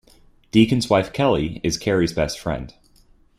Deacon's wife Kelly is Carrie's best friend.